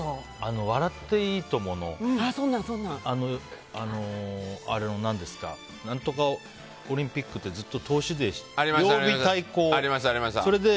「笑っていいとも！」の何とかオリンピックってずっと通しで、曜日対向で。